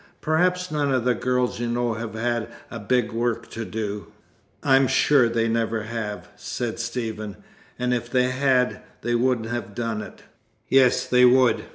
Perhaps none of the girls you know have had a big work to do." "I'm sure they never have," said Stephen, "and if they had, they wouldn't have done it." "Yes, they would.